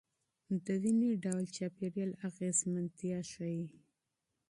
دویني ډول چاپیریال اغېزمنتیا ښيي.